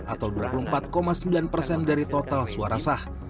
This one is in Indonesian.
atau dua puluh empat sembilan persen dari total suara sah